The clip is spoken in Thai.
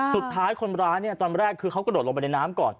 สุดท้ายคนร้ายเนี่ยตอนแรกคือเขากระโดดลงไปในน้ำก่อน